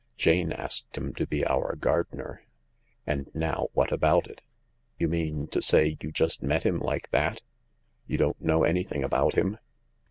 Jane asked him to be our gardener. And now what about it ?"" You mean to say you just met him like that — you don't know anything about him